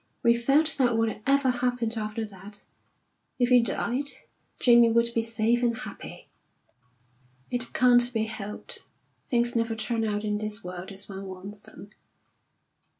We felt that whatever happened after that if we died Jamie would be safe and happy." "It can't be helped. Things never turn out in this world as one wants them.